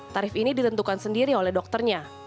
tarif ini ditentukan sendiri oleh dokternya